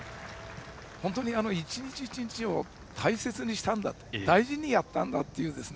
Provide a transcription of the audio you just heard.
本当に１日１日を大切に大事にやったんだという。